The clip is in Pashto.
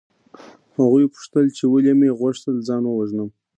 هغوی پوښتل چې ولې مې غوښتل ځان ووژنم